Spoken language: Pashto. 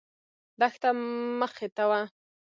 دښته مخې ته وه.